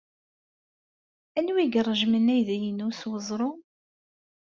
Anwa ay iṛejmen aydi-inu s weẓru?